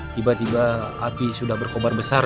tiba tiba api sudah berkobar besar